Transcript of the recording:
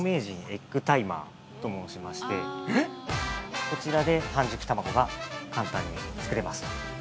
エッグタイマー」と申しまして、こちらで半熟卵が簡単に作れます。